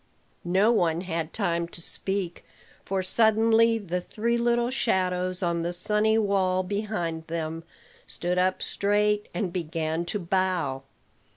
No one had time to speak; for suddenly the three little shadows on the sunny wall behind them stood up straight, and began to bow.